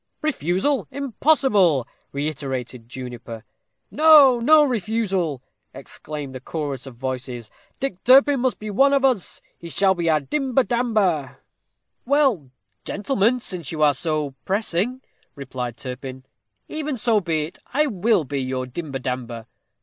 "Refusal impossible!" reiterated Juniper. "No; no refusal," exclaimed a chorus of voices. "Dick Turpin must be one of us. He shall be our dimber damber." "Well, gentlemen, since you are so pressing," replied Turpin, "even so be it. I will be your dimber damber."